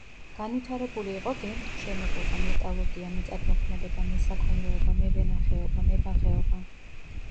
განვითარებული იყო გემთმშენებლობა, მეტალურგია მიწათმოქმედება, მესაქონლეობა, მევენახეობა, მებაღეობა.